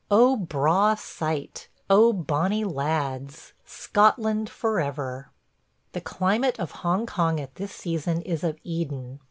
... Oh, braw sight! ... Oh, bonny lads! ... Scotland forever! ... The climate of Hong Kong at this season is of Eden.